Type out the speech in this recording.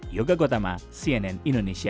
yoga gotama cnn indonesia